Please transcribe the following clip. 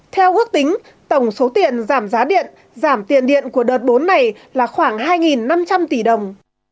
theo ước tính tổng số tiền giảm giá điện giảm tiền điện của đợt bốn này là khoảng hai năm trăm linh tỷ đồng